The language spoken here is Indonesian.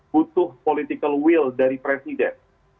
butuh political will dari presiden